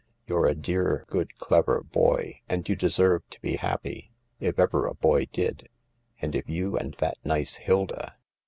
" You're a dear, good, clever boy, and you deserve to be happy, if ever a boy did, and if you and that nice Hilda